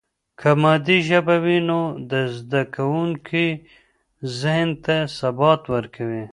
که مادي ژبه وي، نو د زده کوونکي ذهن ته ثبات ورکوي.